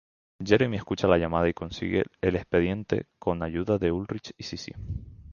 Jeremy escucha la llamada y consigue el expediente con ayuda de Ulrich y Sissi.